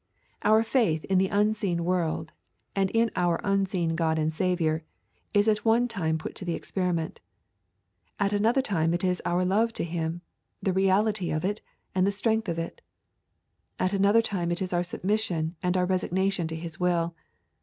Our faith in the unseen world and in our unseen God and Saviour is at one time put to the experiment. At another time it is our love to Him; the reality of it, and the strength of it. At another time it is our submission and our resignation to His will.